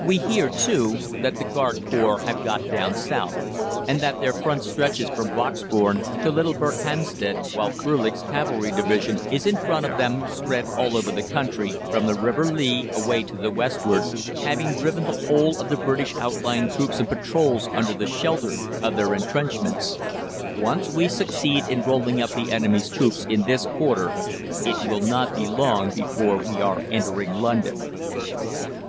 "We hear, too, that the Garde Corps have got down south, and that their front stretches from Broxbourne to Little Berkhamsted, while Frölich's Cavalry Division is in front of them, spread all over the country, from the River Lea away to the westward, having driven the whole of the British outlying troops and patrols under the shelter of their entrenchments. Once we succeed in rolling up the enemy's troops in this quarter, it will not be long before we are entering London."